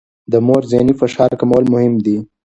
د مور ذهني فشار کمول مهم دي.